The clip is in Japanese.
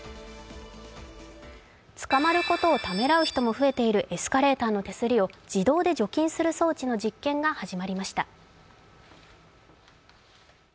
つかまることをためらう人も増えているエスカレーターの手すりを自動で除菌する装置の実験が始まりました。